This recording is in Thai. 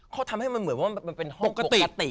เขาทำให้มันเหมือนว่ามันเป็นห้องปกติ